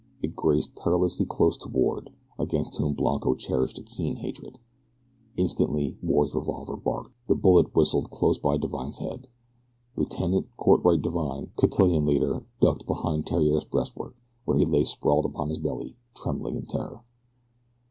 It grazed perilously close to Ward, against whom Blanco cherished a keen hatred. Instantly Ward's revolver barked, the bullet whistling close by Divine's head. L. Cortwrite Divine, cotillion leader, ducked behind Theriere's breastwork, where he lay sprawled upon his belly, trembling in terror.